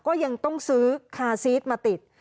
ก็ยังต้องซื้อคาซีสมาติด